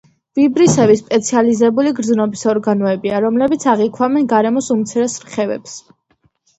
ვიბრისები სპეციალიზებული გრძნობის ორგანოებია, რომლებიც აღიქვამენ გარემოს უმცირეს რხევებს.